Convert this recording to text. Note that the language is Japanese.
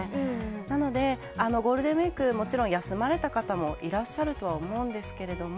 なので、ゴールデンウィーク、もちろん休まれた方もいらっしゃるとは思うんですけれども、